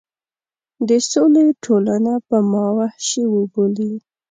د سولې ټولنه به ما وحشي وبولي.